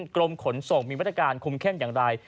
กรมขนส่งมีมาตรการคุมเข้มอย่างไร